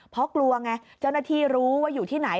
เพราะกลัวไงเจ้าหน้าที่รู้ว่าอยู่ที่ไหน